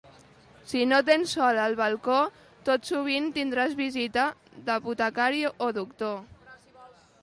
Si no tens sol al balcó, tot sovint tindràs visita d'apotecari o doctor.